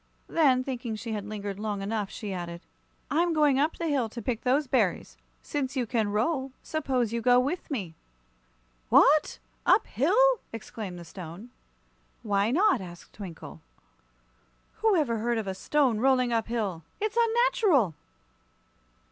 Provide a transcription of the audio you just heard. Then, thinking she had lingered long enough, she added: "I'm going up the hill to pick those berries. Since you can roll, suppose you go with me." "What! Up hill?" exclaimed the Stone. "Why not?" asked Twinkle. "Who ever heard of a stone rolling up hill? It's unnatural!"